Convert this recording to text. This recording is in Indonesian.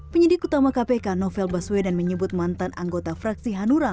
penyidik utama kpk novel baswedan menyebut mantan anggota fraksi hanura